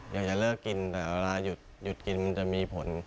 อยากจะเลิกกินแต่เวลาหยุดกินมันจะมีผล